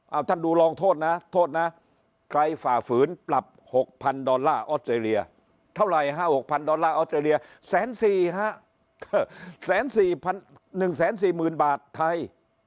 เอาท่านดูลองโทษนะโทษนะใครฝ่าฝืนปรับ๖๐๐๐ดอลลาร์ออสเตรเลียเท่าไหร่๕๖๐๐ดอลลาร์ออสเตรเลีย๑๔๐๐๑๔๐๐๐บาทไทย